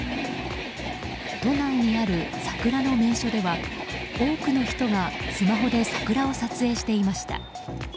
都内にある桜の名所では多くの人がスマホで桜を撮影していました。